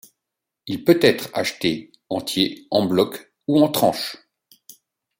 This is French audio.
Il peut être acheté entier, en bloc ou en tranches.